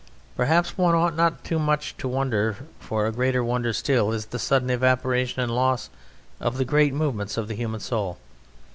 Perhaps one ought not too much to wonder, for a greater wonder still is the sudden evaporation and loss of the great movements of the human soul.